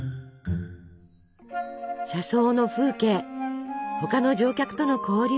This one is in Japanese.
車窓の風景他の乗客との交流。